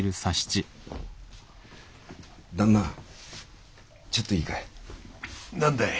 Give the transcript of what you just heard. ちょっといいかい。